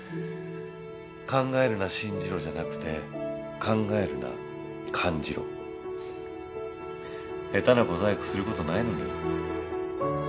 「考えるな信じろ」じゃなくて「考えるな感じろ」下手な小細工することないのに。